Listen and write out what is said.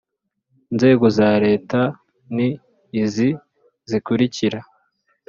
Inzego za leta ni izi zikurikira